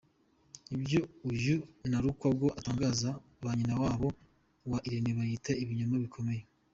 Ibyo uyu Nalukwago atangaza, ba nyina wabo wa Irene bayita ibinyoma bikomeye.